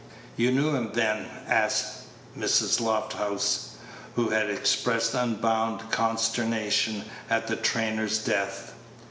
"You knew him, then?" asked Mrs. Lofthouse, who had expressed unbounded consternation at the trainer's death.